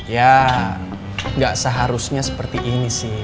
ya nggak seharusnya seperti ini sih